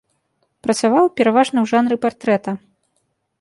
Працаваў пераважна ў жанры партрэта.